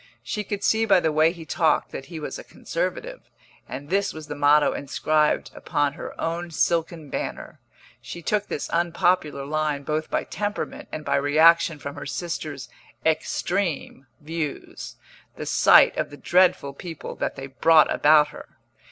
She could see by the way he talked that he was a conservative, and this was the motto inscribed upon her own silken banner. She took this unpopular line both by temperament and by reaction from her sister's "extreme" views, the sight of the dreadful people that they brought about her.